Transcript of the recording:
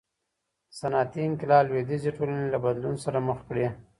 صنعتي انقلاب لویدیځې ټولني له بدلون سره مخ کړې.